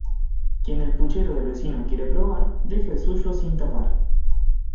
Quien el puchero del vecino quiere probar, deje el suyo sin tapar.